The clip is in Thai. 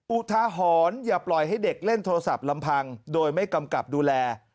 อุทหรณ์อย่าปล่อยให้เด็กเล่นโทรศัพท์ลำพังโดยไม่กำกับดูแล